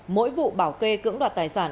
mỗi vụ bảo kê cưỡng đoạt tài sản